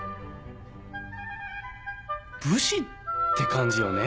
武士って感じよね